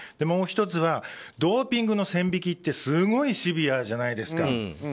もう１つはドーピングの線引きってすごいシビアじゃないですか。